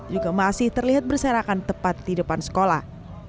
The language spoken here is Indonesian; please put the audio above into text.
juga masih terlihat berserakan tepat di depan sekolah